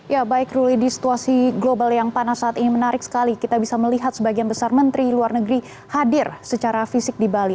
ya baik ruli di situasi global yang panas saat ini menarik sekali kita bisa melihat sebagian besar menteri luar negeri hadir secara fisik di bali